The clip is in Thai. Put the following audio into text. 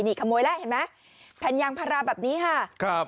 นี่ขโมยแล้วเห็นไหมแผ่นยางพาราแบบนี้ค่ะครับ